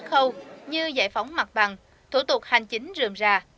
các khâu như giải phóng mặt bằng thủ tục hành chính rượm ra